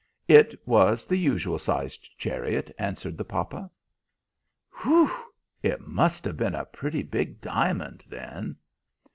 "It was the usual sized chariot," answered the papa. "Whew! It must have been a pretty big diamond, then!"